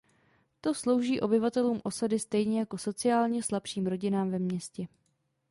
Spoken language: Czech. To slouží obyvatelům osady stejně jako sociálně slabším rodinám ve městě.